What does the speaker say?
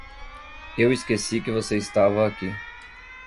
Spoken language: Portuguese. Eu esqueci que você estava aqui.